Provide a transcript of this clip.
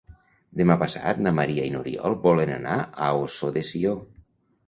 Demà passat na Maria i n'Oriol volen anar a Ossó de Sió.